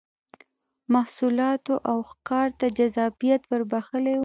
محصولاتو او ښکار ته جذابیت ور بخښلی و